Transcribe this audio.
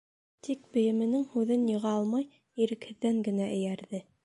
Тик бейеменең һүҙен йыға алмай, ирекһеҙҙән генә эйәрҙе.